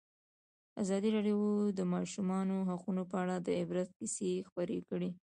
ازادي راډیو د د ماشومانو حقونه په اړه د عبرت کیسې خبر کړي.